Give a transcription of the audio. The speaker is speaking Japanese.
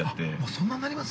◆そんななります？